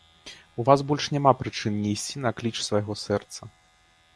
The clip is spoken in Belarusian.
У вас больш няма прычын не ісці на кліч свайго сэрца.